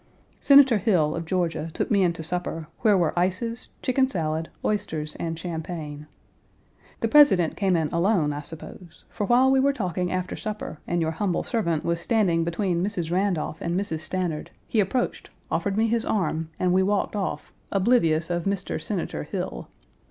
Senator Hill, of Georgia, took me in to supper, where were ices, chicken salad, oysters, and champagne. The President came in alone, I suppose, for while we were talking after supper and your humble servant was standing between Mrs. Randolph and Mrs. Stanard, he approached, offered me his arm and we walked off, oblivious of Mr. Senator Hill.